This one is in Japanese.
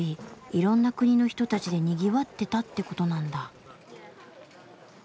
いろんな国の人たちでにぎわってたってことなんだ。